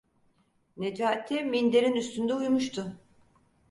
Necati minderin üstünde uyumuştu.